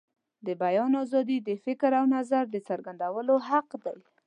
د بیان آزادي د فکر او نظر د څرګندولو حق دی.